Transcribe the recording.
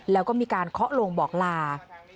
แล้วก็มีการเคาะลงบอกลา